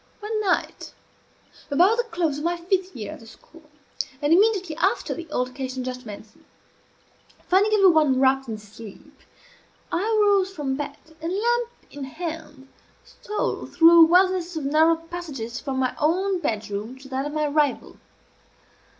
One night, about the close of my fifth year at the school, and immediately after the altercation just mentioned, finding every one wrapped in sleep, I arose from bed, and, lamp in hand, stole through a wilderness of narrow passages from my own bedroom to that of my rival.